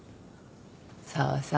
紗和さん。